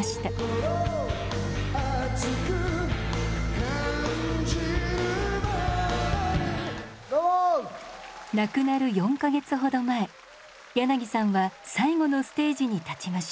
心熱く感じるままに亡くなる４か月ほど前柳さんは最後のステージに立ちました。